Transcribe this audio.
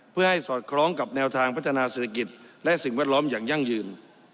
เพื่อให้สอดคล้องกับแนวทางพัฒนาเศรษฐกิจและสิ่งแวดล้อมอย่างยั่งยืน